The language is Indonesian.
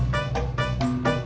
ya saya lagi konsentrasi